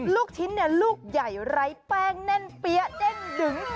ลูกชิ้นลูกใหญ่ไร้แป้งแน่นเปี๊ยะเด้งดึง